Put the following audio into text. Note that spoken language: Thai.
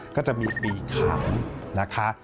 ก็จะมี๔ขามนะคะ